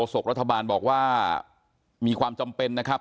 ศกรัฐบาลบอกว่ามีความจำเป็นนะครับ